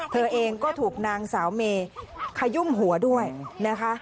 เธอเองก็ถูกนางสาวเมย์ขยุ่มหัวด้วยนะคะ